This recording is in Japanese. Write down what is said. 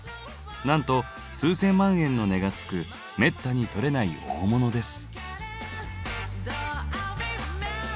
なんと数千万円の値がつくめったに採れない大物です。